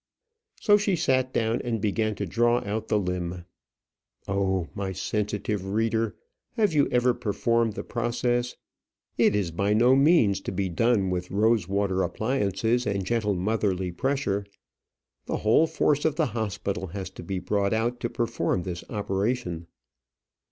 So she sat down and began to draw out the limb. Oh, my sensitive reader! have you ever performed the process? It is by no means to be done with rose water appliances and gentle motherly pressure. The whole force of the hospital has to be brought out to perform this operation.